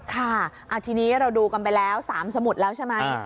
ค่ะทีนี้เราดูกันไปแล้ว๓สมุดแล้วใช่ไหม